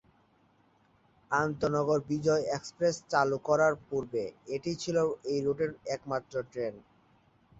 আন্তঃনগর Bijoy Express চালু করার পূর্বে এটিই ছিলো এই রুটের একমাত্র ট্রেন।